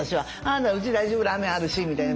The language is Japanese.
うち大丈夫ラーメンあるしみたいな。